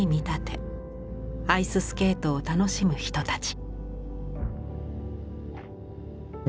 アイススケートを楽しむ人たち。